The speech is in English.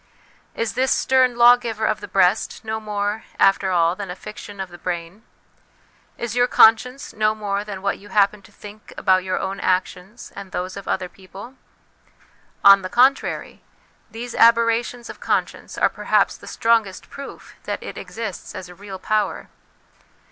Is this stern lawgiver of the breast no more, after all, than a fiction of the brain ? Is your conscience no more than what you happen to think about your own actions and those of other people? On the contrary, these aberrations of conscience are perhaps the strongest proof that it exists as a real power.